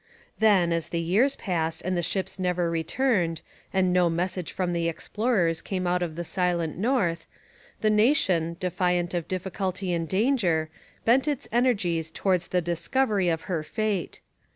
Then, as the years passed and the ships never returned, and no message from the explorers came out of the silent north, the nation, defiant of difficulty and danger, bent its energies towards the discovery of their fate.